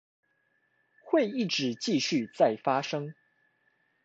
會一直繼續再發生